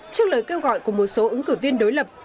trước lời kêu gọi của một số ứng cử viên đối lập